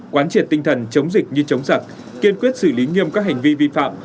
quán triệt tinh thần chống dịch như chống giặc kiên quyết xử lý nghiêm các hành vi vi phạm